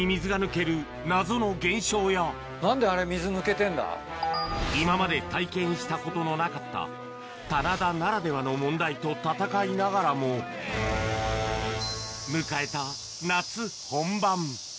なんであれ、今まで体験したことのなかった、棚田ならではの問題と闘いながらも、迎えた夏本番。